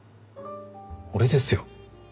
俺ですよ。